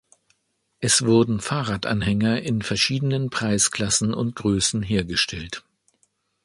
Es wurden Fahrradanhänger in verschiedenen Preisklassen und Größen hergestellt.